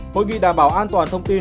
phối nghị đảm bảo an toàn thông tin